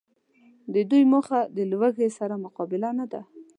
د دوی موخه د لوږي سره مقابله نده